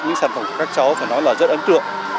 những sản phẩm của các cháu phải nói là rất ấn tượng